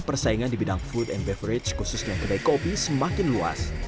persaingan di bidang food and beverage khususnya kedai kopi semakin luas